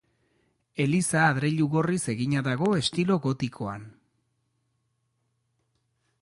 Eliza adreilu gorriz egina dago estilo gotikoan.